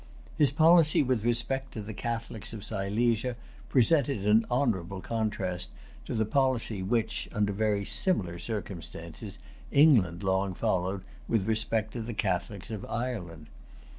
His policy with respect to the Catholics of Silesia presented an honorable contrast to the policy which, under very similar circumstances, England long followed with respect to the Catholics of Ireland.